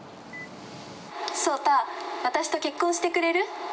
颯太、私と結婚してくれる？